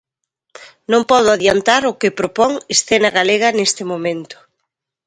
Non podo adiantar o que propón Escena Galega neste momento.